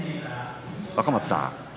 若松さん